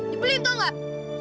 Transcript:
dibeliin tau gak